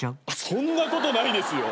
そんなことないですよ。